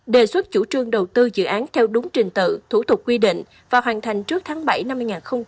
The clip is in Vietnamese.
đề xuất chủ trương đầu tư dự án theo đúng trình tự thủ tục quy định và hoàn thành trước tháng bảy năm hai nghìn hai mươi